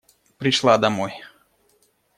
Пришла домой.